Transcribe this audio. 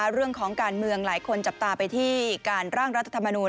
เรื่องของการเมืองหลายคนจับตาไปที่การร่างรัฐธรรมนูล